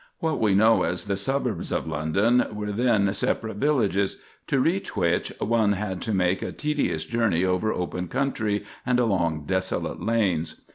What we know as the suburbs of London were then separate villages, to reach which one had to make a tedious journey over open country and along desolate lanes.